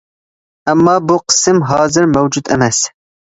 ئەمما بۇ قىسىم ھازىر مەۋجۇت ئەمەس.